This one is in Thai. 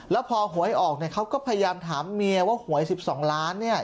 แล้วพอหวยออกเนี่ยเขาก็พยายามถามเมียว่าหวย๑๒ล้านเนี่ย